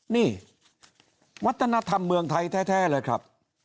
นี่วัฒนธรรมเมืองไทยแท้เลยครับ